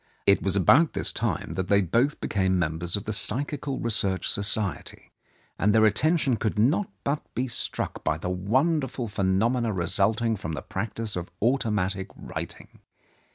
It was about this time that they both became mem bers of the Psychical Research Society, and their attention could not but be struck by the wonderful phenomena resulting from the practice of automatic writing.